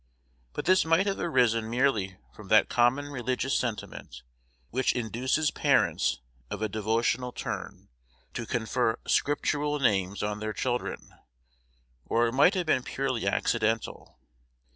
But this might have arisen merely from that common religious sentiment which induces parents of a devotional turn to confer scriptural names on their children, or it might have been purely accidental.